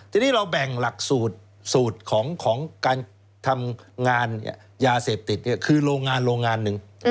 ทีนี้เราแบ่งหลักสูตรของการทำงานยาเสพติดคือโรงงานโรงงานหนึ่ง